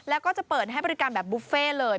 แล้วก็จะเปิดให้บริการแบบบุฟเฟ่เลย